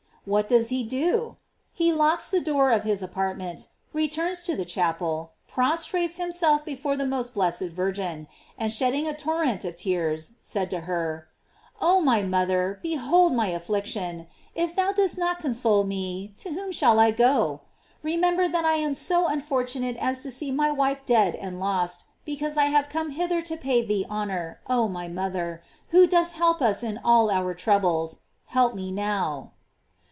What does he do? He locks the door of his apartment, re turns to the chapel, prostrates himself before the most blessed Virgin, and shedding a tor rent of tears, said to her: "Oh my mother, be hold my affliction: if thou dost not console me, to whom shall I go ? Remember I am so unfor tunate as to see my wife dead and lost because I have come hither to pay thee honor, oh my moth er, who dost help us in all our troubles, help me now."